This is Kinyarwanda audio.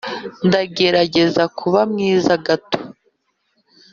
ndagerageza kuba mwiza gato,